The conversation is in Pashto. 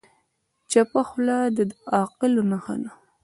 چپه خوله، د عاقلو نښه ده.